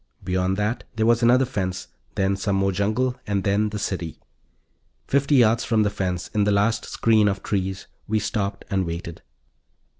Beyond that there was another fence, then some more jungle, and then the city. Fifty yards from the fence, in the last screen of trees, we stopped and waited.